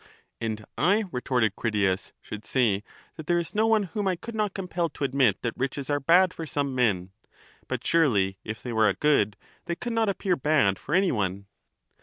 And I, retorted Critias, should say that there is no one whom I could not compel to admit that riches are bad for 396 some men. But surely, if they were a good, they could not appear bad for any one?